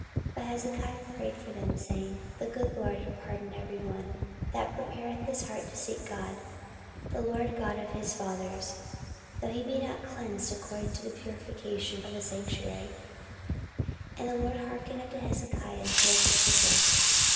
But Hezekiah prayed for them, saying, The good LORD pardon every one 14:030:019 That prepareth his heart to seek God, the LORD God of his fathers, though he be not cleansed according to the purification of the sanctuary. 14:030:020 And the LORD hearkened to Hezekiah, and healed the people.